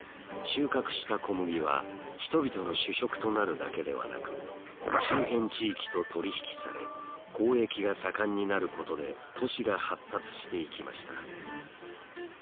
収穫した小麦は人々の主食となるだけではなく周辺地域と取り引きされ交易が盛んになることで都市が発達していきました。